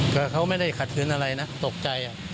ก็เค้าไม่ได้ขัดขึ้นอะไรนะตกใจอ่ะ